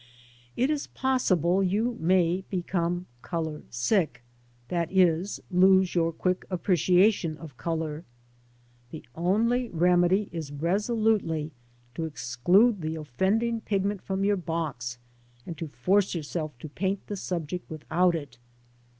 It is possible you may become colour sick, i.e. lose your quick appreciation of colour. The only remedy is resolutely to exclude the offending pigment from your box, and to force yourself to paint the subject without it.